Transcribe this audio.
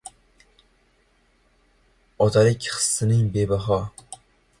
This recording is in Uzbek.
Otalik hissining bebaho